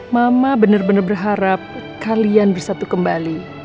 mama bener bener berharap kalian bersatu kembali